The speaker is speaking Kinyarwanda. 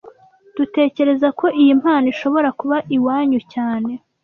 Dutekereza ko iyi mpano ishobora kuba iwanyu cyane